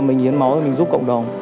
khi mình hiến máu thì mình giúp cộng đồng